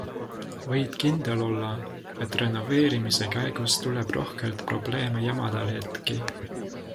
Võid kindel olla, et renoveerimise käigus tuleb rohkelt probleeme ja madalhetki.